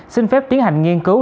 xin phép tiến hành nghiên cứu